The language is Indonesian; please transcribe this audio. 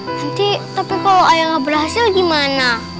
nanti tapi kalau ayah nggak berhasil gimana